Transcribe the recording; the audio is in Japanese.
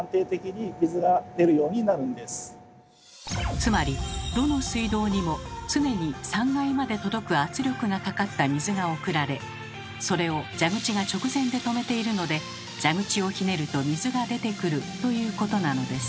つまりどの水道にも常に３階まで届く圧力がかかった水が送られそれを蛇口が直前で止めているので蛇口をひねると水が出てくるということなのです。